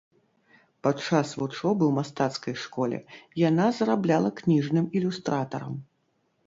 Падчас вучобы ў мастацкай школе яна зарабляла кніжным ілюстратарам.